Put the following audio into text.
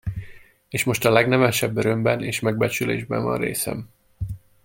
És most a legnemesebb örömben és megbecsülésben van részem!